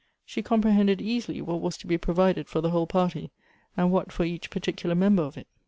She comprehended easily what was to be provided for tlie whole party, and what for eacli particular member of it.